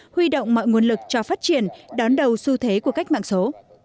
huy động mọi nguồn lực cho phát triển đón đầu xu thế của cách mạng số